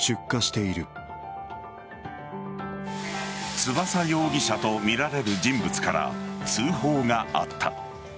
翼容疑者とみられる人物から通報があった。